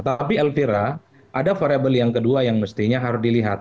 tapi elvira ada variable yang kedua yang mestinya harus dilihat